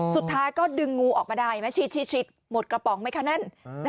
สุดท้ายก็ดึงงูออกมาได้ไหมชิดหมดกระป๋องไหมคะนั่น